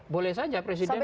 boleh saja presiden